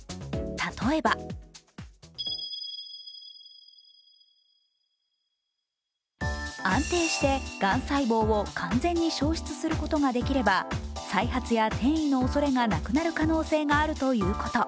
例えば安定して、がん細胞を完全に消失することができれば再発や転移のおそれがなくなる可能性があるということ。